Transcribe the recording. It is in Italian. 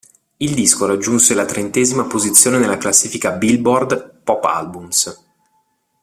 Il disco raggiunse la trentesima posizione della classifica "Billboard" Pop Albums.